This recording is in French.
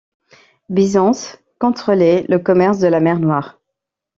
Byzance contrôlait le commerce de la mer Noire.